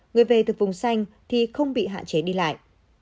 người về từ vùng xanh thì không bị hạn chế đi lại